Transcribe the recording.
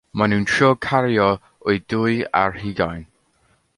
Maen nhw'n trio cario o'u dwy ar hugain.